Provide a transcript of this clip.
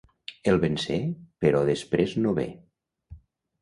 El vencé però després no ve.